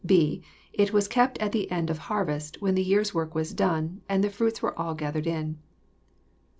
jipJ) It was kept at the end of harvest, when the year's work was done, and the fruits were all gathered in.